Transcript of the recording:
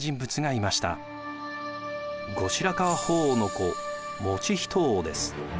後白河法皇の子以仁王です。